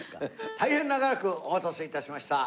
大変長らくお待たせ致しました。